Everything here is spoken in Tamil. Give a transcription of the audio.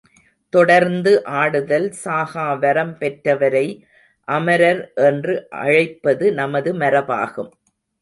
தொடர்ந்து ஆடுதல் சாகாவரம் பெற்றவரை அமரர் என்று அழைப்பது நமது மரபாகும்.